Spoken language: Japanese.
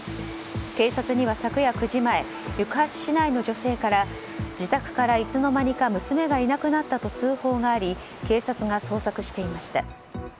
警察には昨夜９時前行橋市内の女性から自宅からいつの間にか娘がいなくなったと通報があり警察が捜索していました。